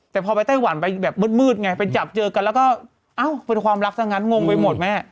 แต่พอไปไต้หวันมืดไปจับเจอกันก็เป็นความรักตังงั้นงงไปหมดแม่